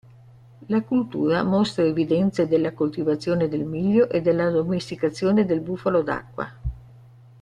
La cultura mostra evidenze della coltivazione del miglio e dell'addomesticazione del bufalo d'acqua.